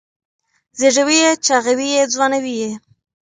زېږوي یې چاغوي یې ځوانوي یې